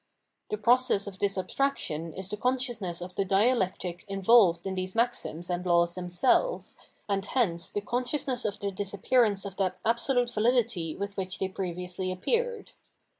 The process of this abstraction is the consciousness of the dialectic in volved in these maxims and laws themselves, and hence the consciousness of the disappearance of that absolute vahdity with which they previously appeared.